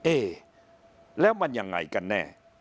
เอ๊ะแล้วมันยังไงกันแน่